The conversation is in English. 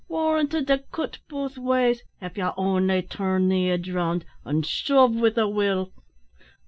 Warranted to cut both ways, av ye only turn the idge round, and shove with a will.'